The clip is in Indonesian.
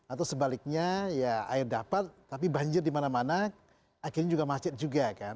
atau sebaliknya ya air dapat tapi banjir di mana mana akhirnya juga macet juga kan